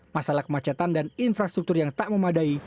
masalah kemacetan dan infrastruktur yang tak memadai